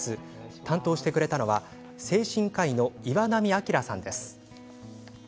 担当してくれたのは精神科医の岩波明さんです。